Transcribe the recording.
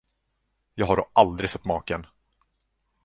Jag har då aldrig sett maken!